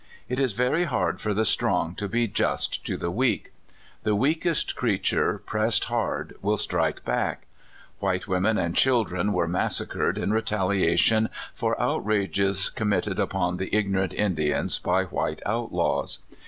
It is very hard for the strong to be just to the weak. The weakest THE DIGGERS. I4I creature, pressed hard, will strike back. White women and children were massacred in retaliation for outrages committed upon the ignorant Indians by white outlaws.